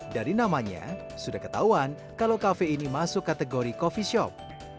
dari namanya sudah ketahuan kalau kafe ini masuk kategori coffee shop